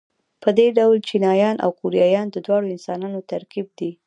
په دې ډول چینایان او کوریایان د دواړو انسانانو ترکیب دي.